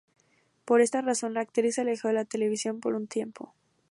Por esa razón, la actriz se alejó de la televisión por un tiempo.